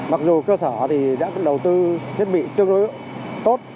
mặc dù cơ sở thì đã đầu tư thiết bị tương đối tốt